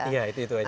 iya itu itu saja